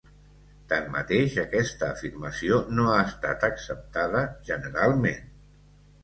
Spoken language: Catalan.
Tanmateix, aquesta afirmació no ha estat acceptada generalment.